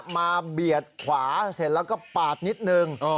เบียดขวาเสร็จแล้วก็ปาดนิดนึง